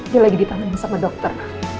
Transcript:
dia lagi ditangani sama dokter